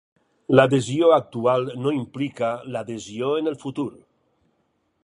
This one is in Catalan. L'adhesió actual no implica l'adhesió en el futur.